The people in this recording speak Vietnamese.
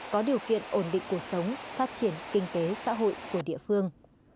có điều kiện ổn định cuộc sống phát triển kinh tế xã hội của địa phương